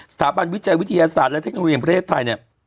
สถาบันวิจัยวิทยาศาสตร์และเทคโนโลยีประเทศไทยเนี่ย